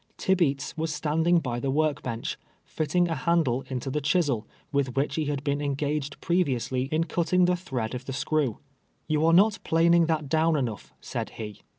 Tibeats M'as standing by the work bench, fitting a handle into the chisel, with wliich he had been engaged previously in cutting the thread of the screw. " You are not planing that down enough," said he.